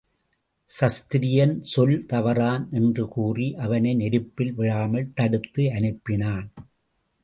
க்ஷத்திரியன் சொல் தவறான் என்று கூறி அவனை நெருப்பில் விழாமல் தடுத்து அனுப்பினான்.